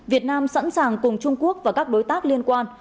việt nam sẵn sàng cùng trung quốc và các đối tác liên quan